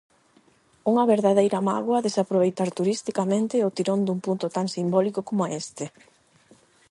Unha verdadeira mágoa desaproveitar turisticamente o tirón dun punto tan simbólico coma este.